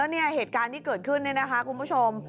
เนี่ยเหตุการณ์ที่เกิดขึ้นเนี่ยนะคะคุณผู้ชม